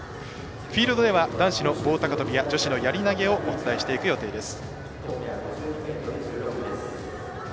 フィールドでは男子の棒高跳びや女子のやり投げをお伝えしていく予定です。